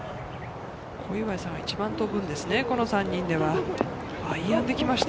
小祝さんが一番飛ぶんですね、この３人では。